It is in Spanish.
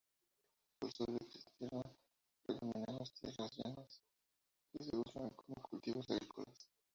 Al sur de Cistierna predominan las tierras llanas que se usan como cultivos agrícolas.